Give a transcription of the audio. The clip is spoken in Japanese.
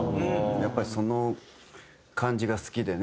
やっぱりその感じが好きでね